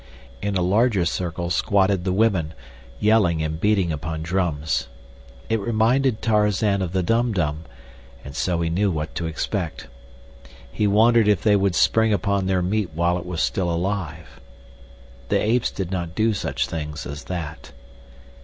In a larger circle squatted the women, yelling and beating upon drums. It reminded Tarzan of the Dum Dum, and so he knew what to expect. He wondered if they would spring upon their meat while it was still alive. The Apes did not do such things as that.